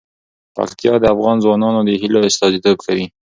پکتیا د افغان ځوانانو د هیلو استازیتوب کوي.